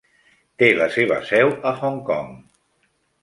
Té la seva seu a Hong Kong.